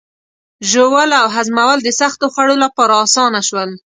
ژوول او هضمول د سختو خوړو لپاره آسانه شول.